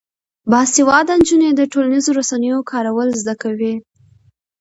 باسواده نجونې د ټولنیزو رسنیو کارول زده کوي.